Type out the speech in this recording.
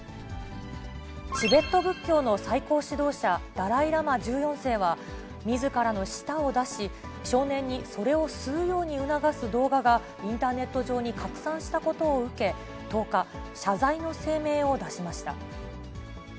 チベット仏教の最高指導者、ダライ・ラマ１４世は、みずからの舌を出し、少年にそれを吸うように促す動画がインターネット上に拡散したことを受け、１０日、謝罪の声明を出しました。